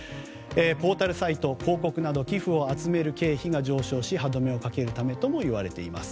ポータルサイト、広告など寄付を集める経費が上昇し歯止めをかけるからともいわれています。